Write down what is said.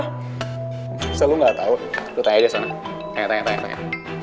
bisa lu gak tau lu tanya aja sana tanya tanya